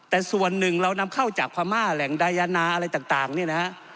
แต่ส่วนหนึ่งเรานำเข้าจากพม่าแหล่งดายานาอะไรต่างเนี่ยนะฮะ